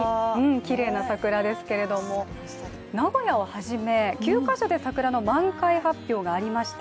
きれいな桜ですけども、名古屋をはじめ、９か所で桜の満開発表がありました。